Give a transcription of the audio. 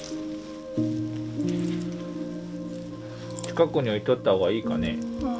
近くに置いとった方がいいかね。